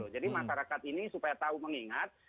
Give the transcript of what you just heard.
jadi masyarakat ini supaya tahu mengingat